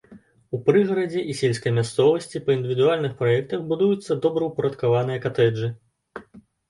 У прыгарадзе і сельскай мясцовасці па індывідуальных праектах будуюцца добраўпарадкаваныя катэджы.